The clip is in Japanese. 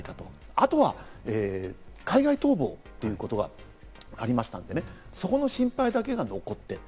あとは海外逃亡ということがありましたのでね、そこの心配だけが残っている。